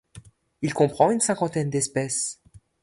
Il comprend une cinquantaine d'espèces.